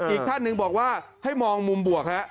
อีกท่านหนึ่งบอกว่าให้มองมุมบวกฮะ